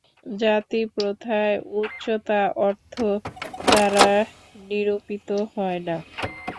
জাতিপ্রথায় উচ্চতা অর্থ দ্বারা নিরূপিত হয় না।